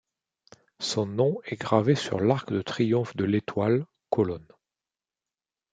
Son nom est gravé sur l’Arc de Triomphe de l'Étoile, colonne.